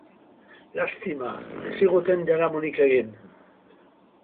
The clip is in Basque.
Lastima, ez ziguten jaramonik egin.